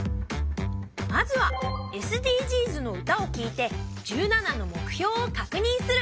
まずは「ＳＤＧｓのうた」をきいて１７の目標を確認する。